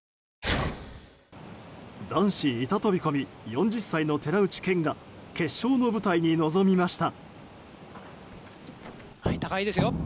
男子板飛込、４０歳の寺内健が決勝の舞台に臨みました。